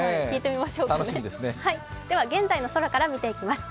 では現在の空から見ていきます。